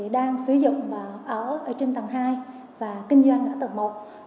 đang sử dụng ở trên tầng hai và kinh doanh ở tầng một